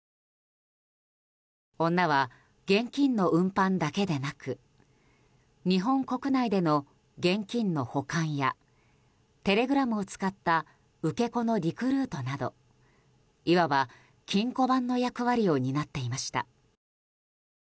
女は現金の運搬だけでなく日本国内での現金の保管やテレグラムを使った受け子のリクルートなどいわば金庫番の役割を担っていました。